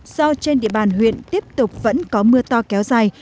do trên địa bàn huyện tiếp tục vẫn có mưa to kéo dài